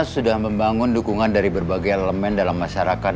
sudah membangun dukungan dari berbagai elemen dalam masyarakat